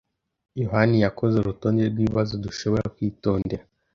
yohani yakoze urutonde rwibibazo dushobora kwitondera.